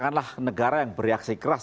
negara yang beriaksi keras